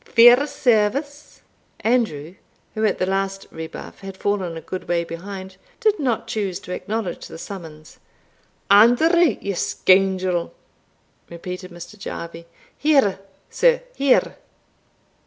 Fairservice!" Andrew, who at the last rebuff had fallen a good way behind, did not choose to acknowledge the summons. "Andrew, ye scoundrel!" repeated Mr. Jarvie; "here, sir here!"